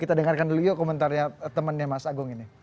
kita dengarkan dulu komentarnya temannya mas agung ini